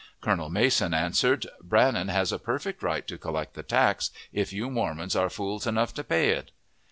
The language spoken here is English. Colonel Mason answered, "Brannan has a perfect right to collect the tax, if you Mormons are fools enough to pay it."